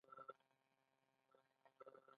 بدخشان ډیره واوره لري